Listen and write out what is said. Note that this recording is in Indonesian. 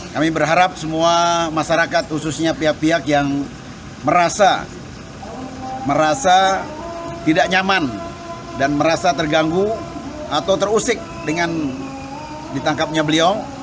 kami berharap semua masyarakat khususnya pihak pihak yang merasa tidak nyaman dan merasa terganggu atau terusik dengan ditangkapnya beliau